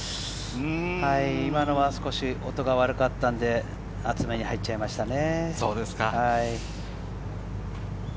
今のは少し音が悪かったので、厚めに入っちゃいましたね。